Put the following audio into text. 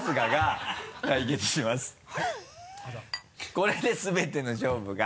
これで全ての勝負が。